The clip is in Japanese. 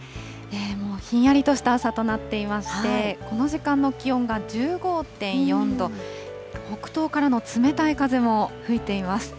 もうひんやりとした朝となっていまして、この時間の気温が１５．４度、北東からの冷たい風も吹いています。